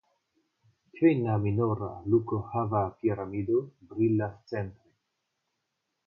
Kvina minora lukohava piramido brilas centre.